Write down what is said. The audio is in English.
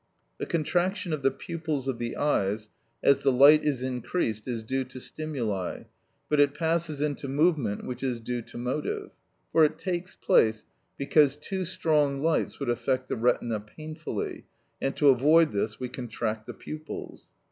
The contraction of the pupils of the eyes as the light is increased is due to stimuli, but it passes into movement which is due to motive; for it takes place, because too strong lights would affect the retina painfully, and to avoid this we contract the pupils.